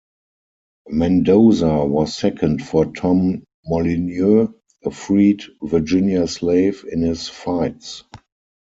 Mendoza was second for Tom Molineaux, a freed Virginia slave, in his fights.